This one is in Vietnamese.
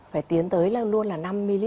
phải tiến tới luôn là năm ml